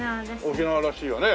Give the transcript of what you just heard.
沖縄らしいよね